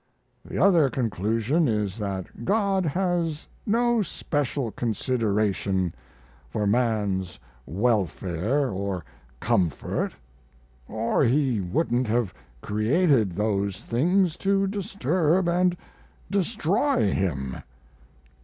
The other conclusion is that God has no special consideration for man's welfare or comfort, or He wouldn't have created those things to disturb and destroy him.